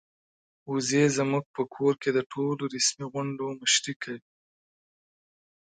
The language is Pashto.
وزې زموږ په کور کې د ټولو رسمي غونډو مشري کوي.